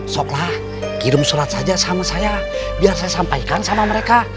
soklah kirim surat saja sama saya biar saya sampaikan sama mereka